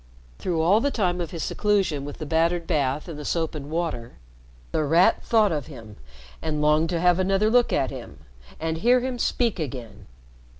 Through all the time of his seclusion with the battered bath and the soap and water, The Rat thought of him, and longed to have another look at him and hear him speak again.